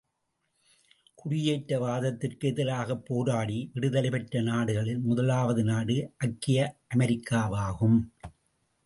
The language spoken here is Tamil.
குடியேற்றவாதத்திற்கு எதிராகப் போராடி விடுதலை பெற்ற நாடுகளில் முதலாவது நாடு ஐக்கிய அமெரிக்காவாகும்.